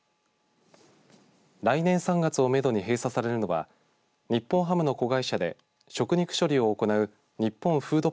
来年３月をめどに閉鎖されるのは日本ハムの子会社で食肉処理を行う日本フード